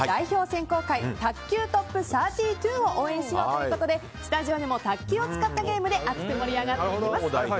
選考会卓球トップ３２を応援しようということでスタジオでも卓球を使ったゲームで熱く盛り上がっていきます。